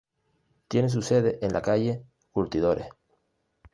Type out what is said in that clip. Tiene su sede en la calle Curtidores.